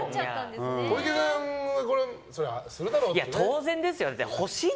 小池さん、これ練習するだろうってね。